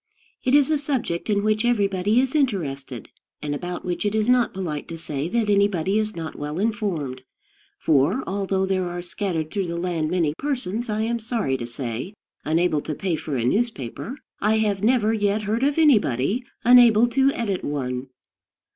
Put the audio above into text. It is a subject in which everybody is interested, and about which it is not polite to say that anybody is not well informed; for, although there are scattered through the land many persons, I am sorry to say, unable to pay for a newspaper, I have never yet heard of anybody unable to edit one.